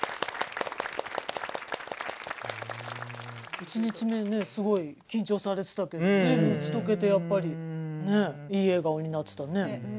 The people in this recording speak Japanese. １日目にねすごい緊張されてたけど随分打ち解けてやっぱりねいい笑顔になってたね。